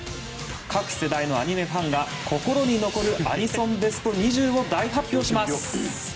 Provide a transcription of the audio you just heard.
各世代のアニメファンが心に残るアニソンベスト２０を大発表します。